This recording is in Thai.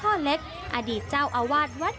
กลายเป็นประเพณีที่สืบทอดมาอย่างยาวนาน